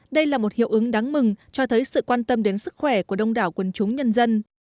đây là một hiệu ứng đáng mừng cho thấy sự quan tâm đến sức khỏe của đông đảo quân chúng nhân dân